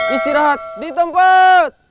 istirahat di tempat